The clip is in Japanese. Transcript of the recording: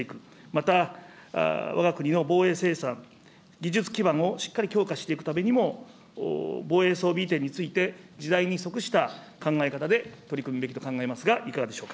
また、わが国の防衛生産、技術基盤をしっかり強化していくためにも、防衛装備移転について時代に即した考え方で取り組むべきと考え